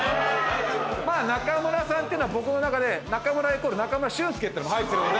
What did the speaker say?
まあ中村さんっていうのは僕の中で中村イコール中村俊輔っていうのも入ってるので。